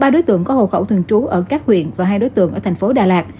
ba đối tượng có hồ khẩu thường trú ở các huyện và hai đối tượng ở thành phố đà lạt